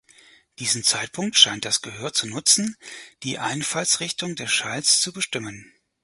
Diesen Zeitpunkt scheint das Gehör zu nutzen, die Einfallsrichtung des Schalls zu bestimmen.